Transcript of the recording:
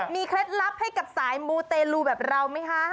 เคล็ดลับให้กับสายมูเตลูแบบเราไหมคะ